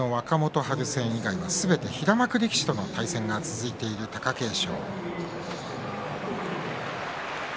春戦以外は、すべて平幕力士との対戦が続いている貴景勝。